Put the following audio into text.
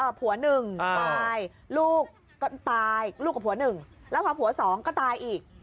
ผัวหนึ่งตายลูกก็ตายลูกกับผัวหนึ่งแล้วพอผัวสองก็ตายอีก